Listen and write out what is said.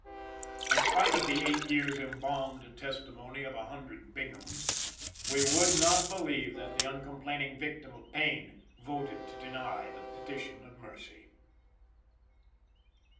In spite of the eight years embalmed testimony of a hundred Binghams, we would not believe that the uncomplaining victim of Payne voted to deny the Petition of Mercy.